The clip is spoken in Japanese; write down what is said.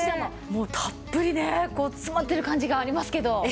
もうたっぷりね詰まってる感じがありますけど。